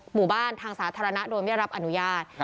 หมู่บ้านทางสาธารณะโดยไม่รับอนุญาต